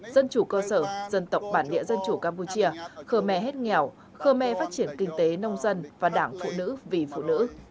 dân chủ cơ sở dân tộc bản địa dân chủ campuchia khờ mè hết nghèo khờ mè phát triển kinh tế nông dân và đảng phụ nữ vì phụ nữ